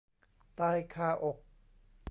ตายคาอก